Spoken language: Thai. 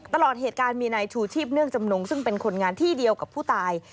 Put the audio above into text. ตลอดเหตุการณ์มีนายชูชีพเนื่องจำนงซึ่งเป็นคนงานที่เดียวกับผู้ตาย